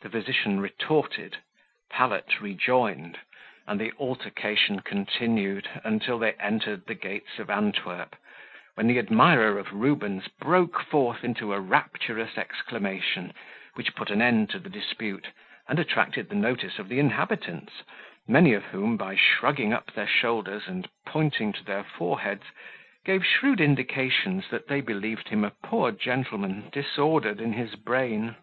The physician retorted, Pallet rejoined, and the altercation continued until they entered the gates of Antwerp, when the admirer of Rubens broke forth into a rapturous exclamation, which put an end to the dispute and attracted the notice of the inhabitants, many of whom by shrugging up their shoulders and pointing to their foreheads, gave shrewd indications that they believed him a poor gentleman disordered in his brain.